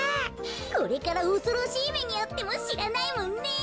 これからおそろしいめにあってもしらないもんね。